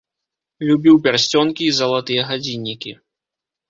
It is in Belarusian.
Любіў пярсцёнкі і залатыя гадзіннікі.